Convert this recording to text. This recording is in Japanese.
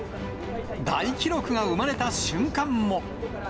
大記録が生まれた瞬間も。